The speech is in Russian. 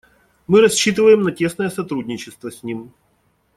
Мы рассчитываем на тесное сотрудничество с ним.